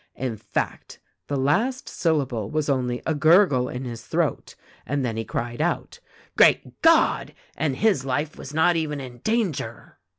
In fact, the last syllable was only a gurgle in his throat; and then he cried out, 'Great God ! and his life was not even in danger.'